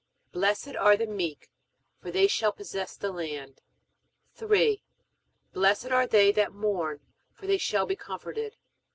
Blessed are the meek, for they shall possess the land. 3. Blessed are they that mourn, for they shall be comforted.